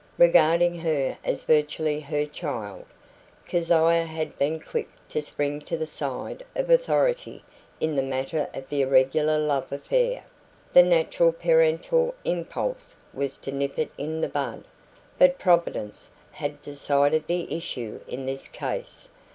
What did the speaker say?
Regarding her as virtually her child, Keziah had been quick to spring to the side of authority in the matter of the irregular love affair; the natural parental impulse was to nip it in the bud. But "Providence" had decided the issue in this case.